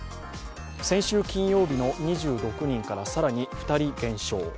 先週金曜日の２６人から更に２人減少。